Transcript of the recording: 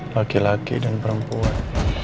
laki laki dan perempuan